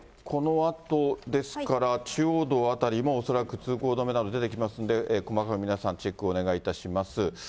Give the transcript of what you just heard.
このあと、ですから中央道辺りも恐らく通行止めなど出てきますんで、細かく、皆さん、チェックをお願いいたします。